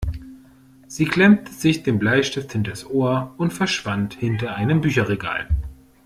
Sie klemmte sich den Bleistift hinters Ohr und verschwand hinter einem Bücherregal.